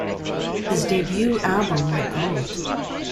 His debut album went gold.